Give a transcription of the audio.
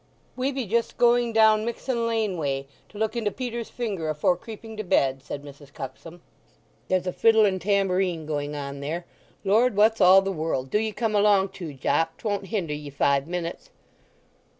"We be just going down Mixen Lane way, to look into Peter's Finger afore creeping to bed," said Mrs. Cuxsom. "There's a fiddle and tambourine going on there. Lord, what's all the world—do ye come along too, Jopp—'twon't hinder ye five minutes."